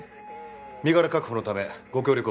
身柄確保のためご協力